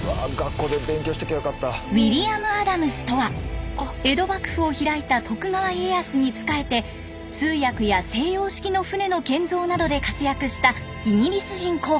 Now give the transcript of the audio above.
ウィリアム・アダムスとは江戸幕府を開いた徳川家康に仕えて通訳や西洋式の船の建造などで活躍したイギリス人航海士。